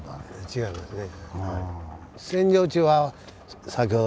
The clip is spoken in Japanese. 違いますね。